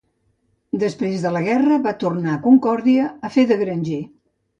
Després de la guerra va tornar a Concordia a fer de granger.